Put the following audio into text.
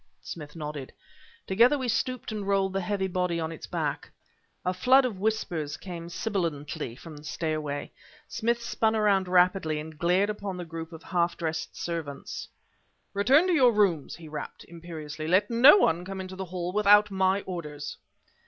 Smith nodded. Together we stooped and rolled the heavy body on its back. A flood of whispers came sibilantly from the stairway. Smith spun around rapidly, and glared upon the group of half dressed servants. "Return to your rooms!" he rapped, imperiously; "let no one come into the hall without my orders."